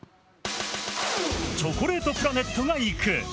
チョコレートプラネットが行く！